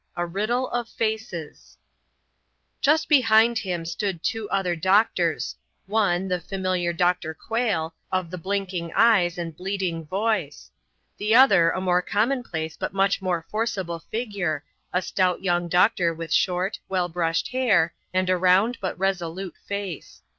A RIDDLE OF FACES Just behind him stood two other doctors: one, the familiar Dr. Quayle, of the blinking eyes and bleating voice; the other, a more commonplace but much more forcible figure, a stout young doctor with short, well brushed hair and a round but resolute face.